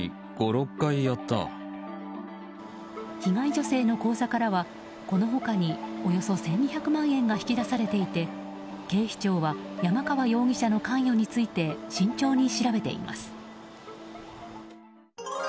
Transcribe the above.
被害女性の口座からはこの他におよそ１２００万円が引き出されていて警視庁は山川容疑者の関与について慎重に調べています。